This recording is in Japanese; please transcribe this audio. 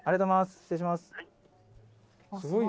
「失礼します」